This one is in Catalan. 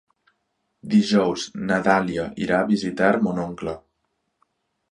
Dijous na Dàlia irà a visitar mon oncle.